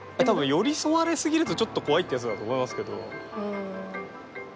多分寄り添われすぎるとちょっと怖いってやつだと思いますけど。